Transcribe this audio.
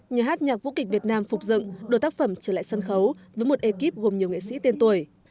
nhà hát nhạc vũ kịch việt nam phục dựng đưa tác phẩm trở lại sân khấu với một ekip gồm nhiều nghệ sĩ tên tuổi